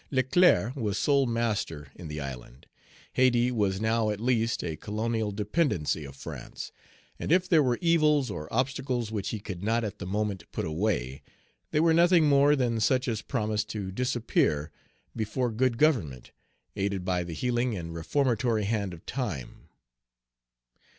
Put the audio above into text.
Leclerc was sole master in the island. Hayti was now at least a colonial dependency of France. And if there were evils or obstacles which he could not at the moment put away, they were nothing more than such as promised to disappear before good government, aided by the healing and reformatory hand of Time.